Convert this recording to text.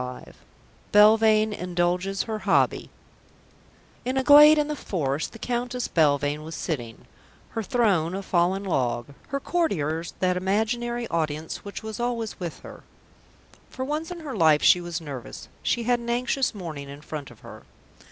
CHAPTER V BELVANE INDULGES HER HOBBY In a glade in the forest the Countess Belvane was sitting: her throne, a fallen log, her courtiers, that imaginary audience which was always with her. For once in her life she was nervous; she had an anxious morning in front of her.